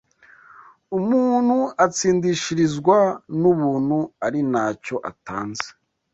Umuntu atsindishirizwa « n’ubuntu ari ntacyo atanze